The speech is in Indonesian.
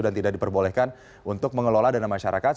dan tidak diperbolehkan untuk mengelola dana masyarakat